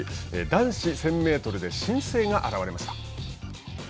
男子１０００メートルで新星が現れました。